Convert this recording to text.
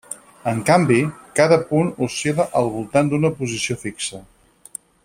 En canvi, cada punt oscil·la al voltant d'una posició fixa.